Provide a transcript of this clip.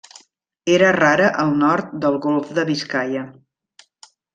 És rara al nord del Golf de Biscaia.